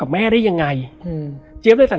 แล้วสักครั้งหนึ่งเขารู้สึกอึดอัดที่หน้าอก